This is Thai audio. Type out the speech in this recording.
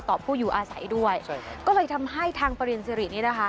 ผู้อยู่อาศัยด้วยใช่ก็เลยทำให้ทางปริญสิรินี่นะคะ